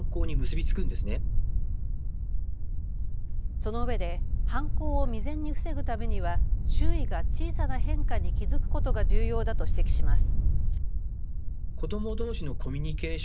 そのうえで犯行を未然に防ぐためには周囲が小さな変化に気付くことが重要だと指摘します。